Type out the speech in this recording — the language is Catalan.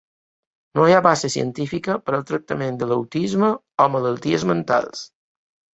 No hi ha base científica per al tractament de l'autisme o malalties mentals.